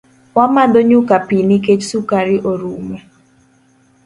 Wamadho nyuka pii nikech sukari orumo